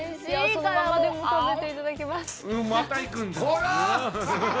そのままでも食べていただけます。